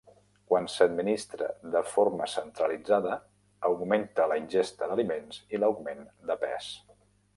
Quan s'administra de forma centralitzada augmenta la ingesta d'aliments i l'augment de pes.